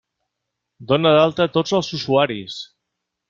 Dona d'alta tots els usuaris!